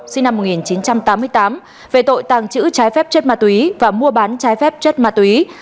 sinh năm một nghìn chín trăm tám mươi tám về tội tàng trữ trái phép chất ma túy và mua bán trái phép chất ma túy